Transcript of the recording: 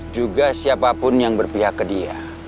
juga siapapun yang berpihak ke dia